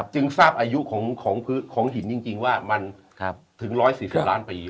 จึงทราบอายุของหินจริงว่ามันถึง๑๔๐ล้านปี